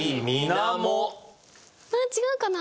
ああ違うかな。